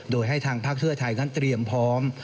โดยให้ทางภาคเพื่อไทยนั้นเตรียมพร้อม